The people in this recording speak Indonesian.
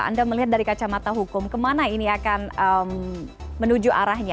anda melihat dari kacamata hukum kemana ini akan menuju arahnya